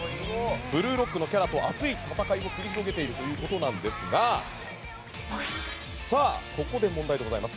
「ブルーロック」のキャラと熱い戦いを繰り広げているということですがここで問題でございます。